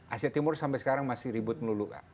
asia timur sampai sekarang masih ribut melulu kak